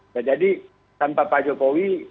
dan jadi tanpa pak jokowi